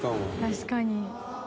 確かに。